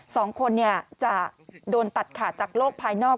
สองคนจะโดนตัดขาดจากโลกภายนอก